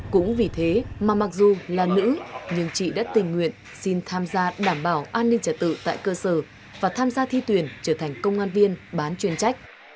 cũng vì thế mà mặc dù là nữ nhưng chị đã tình nguyện xin tham gia đảm bảo an ninh trật tự tại cơ sở và tham gia thi tuyển trở thành công an viên bán chuyên trách